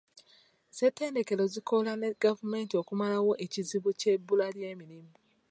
Ssettendekero zikola ne gavumenti okumalawo ekizibu ky'ebbula ly'emirimu.